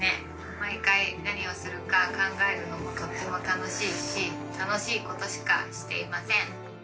毎回何をするか考えるのもとっても楽しいし楽しいことしかしていません。